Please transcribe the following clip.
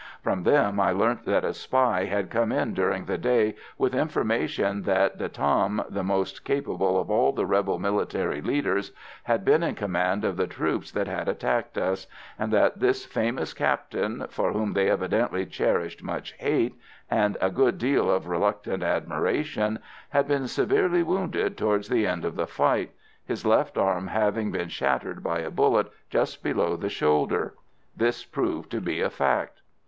From them I learnt that a spy had come in during the day with information that De Tam, the most capable of all the rebel military leaders, had been in command of the troops that had attacked us; and that this famous captain, for whom they evidently cherished much hate, and a good deal of reluctant admiration, had been severely wounded towards the end of the fight, his left arm having been shattered by a bullet just below the shoulder. This proved to be a fact.